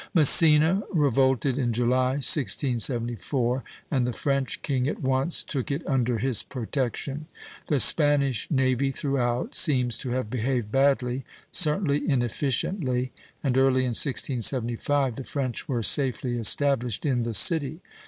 Messina revolted in July, 1674, and the French king at once took it under his protection. The Spanish navy throughout seems to have behaved badly, certainly inefficiently; and early in 1675 the French were safely established in the city.